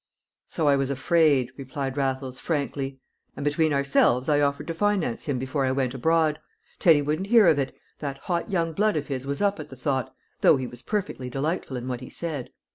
"So I was afraid," replied Raffles, frankly; "and between ourselves, I offered to finance him before I went abroad. Teddy wouldn't hear of it; that hot young blood of his was up at the thought, though he was perfectly delightful in what he said.